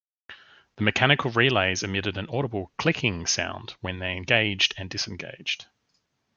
The mechanical relays emitted an audible "clicking" sound when they engaged and disengaged.